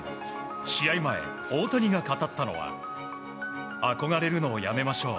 試合前、大谷が語ったのは憧れるのをやめましょう。